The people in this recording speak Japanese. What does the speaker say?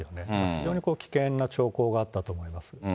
非常に危険な兆候があったと思います。